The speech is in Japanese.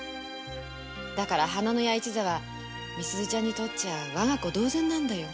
だから花廼屋一座は美鈴ちゃんにとって我が子同然なんだよ。